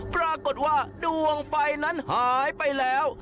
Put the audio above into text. ปรากฏว่าดวงไฟนั้นหายไปแล้ว